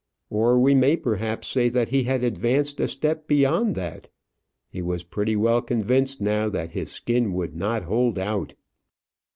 Or we may perhaps say that he had advanced a step beyond that. He was pretty well convinced now that his skin would not hold out.